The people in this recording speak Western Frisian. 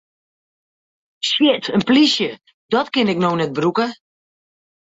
Shit, in plysje, dat kin ik no net brûke!